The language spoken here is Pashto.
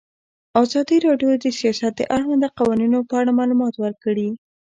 ازادي راډیو د سیاست د اړونده قوانینو په اړه معلومات ورکړي.